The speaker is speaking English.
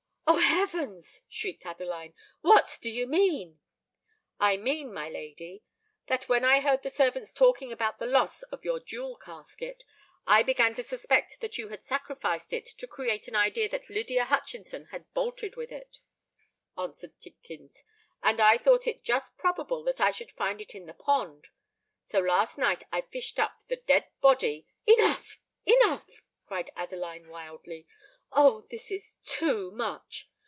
"O heavens!" shrieked Adeline: "what do you mean?" "I mean, my lady, that when I heard the servants talking about the loss of your jewel casket, I began to suspect that you had sacrificed it to create an idea that Lydia Hutchinson had bolted with it," answered Tidkins; "and I thought it just probable that I should find it in the pond. So last night I fished up the dead body——" "Enough! enough!" cried Adeline, wildly: "Oh! this is too much!